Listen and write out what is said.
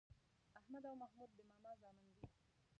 احمد او محمود د ماما زامن دي